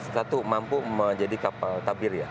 satu mampu menjadi kapal tabir ya